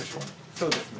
そうですね。